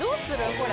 これ。